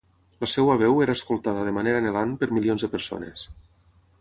La seva veu era escoltada de manera anhelant per milions de persones.